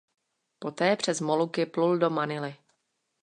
Poté přes Moluky plul do Manily.